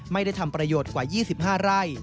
ไม่ได้ทำประโยชน์กว่า๒๕ไร่